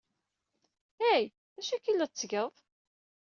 Hey! D acu akka ay la tettgeḍ?